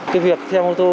cái việc theo hồ tố